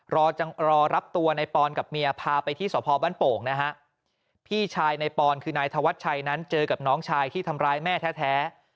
รอรับตัวในปอนกับเมียพาไปที่สพบ้านโป่งนะฮะพี่ชายในปอนคือนายธวัชชัยนั้นเจอกับน้องชายที่ทำร้ายแม่แท้